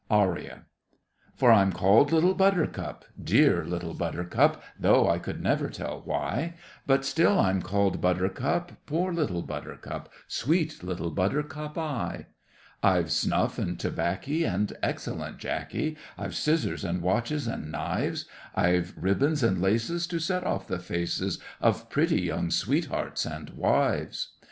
ARIA For I'm called Little Buttercup—dear Little Buttercup, Though I could never tell why, But still I'm called Buttercup—poor little Buttercup, Sweet Little Buttercup I! I've snuff and tobaccy, and excellent jacky, I've scissors, and watches, and knives I've ribbons and laces to set off the faces Of pretty young sweethearts and wives.